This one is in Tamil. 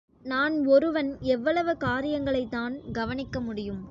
நான் ஒருவன் எவ்வளவு காரியங்களைத்தான் கவனிக்க முடியும்?